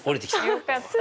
よかった。